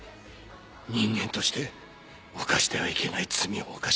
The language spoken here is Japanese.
人間として犯してはいけない罪を犯したんだ。